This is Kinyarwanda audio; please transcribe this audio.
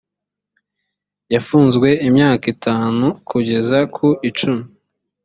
yafunzwe imyaka itanu kugeza ku icumi.